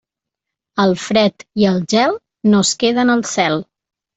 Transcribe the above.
El fred i el gel, no es queden al cel.